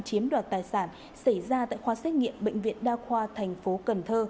chiếm đoạt tài sản xảy ra tại khoa xét nghiệm bệnh viện đa khoa tp cn